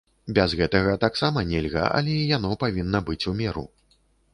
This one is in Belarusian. Без гэтага таксама нельга, але і яно павінна быць у меру.